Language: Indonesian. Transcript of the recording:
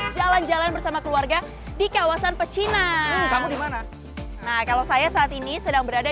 jalan jalan bersama keluarga di kawasan pecinan kamu dimana nah kalau saya saat ini sedang berada